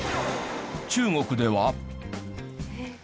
中国では。